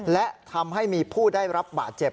และทำให้มีผู้ได้รับบาดเจ็บ